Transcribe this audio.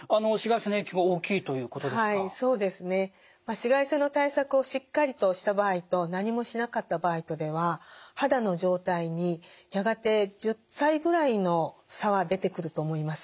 紫外線の対策をしっかりとした場合と何もしなかった場合とでは肌の状態にやがて１０歳ぐらいの差は出てくると思います。